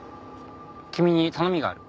君に頼みがある。